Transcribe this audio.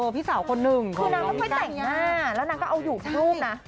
พี่สาวคนนึงนางก็ไปแต่งหน้าแล้วก็เอาอยู่ให้ดูนะ